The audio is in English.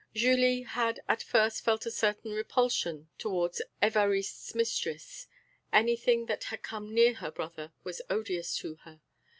Julie had at first felt a certain repulsion towards Évariste's mistress; anything that had come near her brother was odious to her.